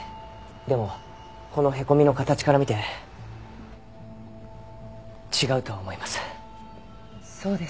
でもこのへこみの形から見て違うと思います。